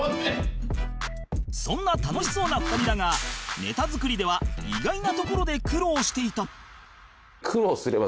そんな楽しそうな２人だがネタ作りでは意外なところで苦労していた